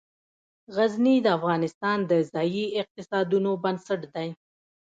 غزني د افغانستان د ځایي اقتصادونو بنسټ دی.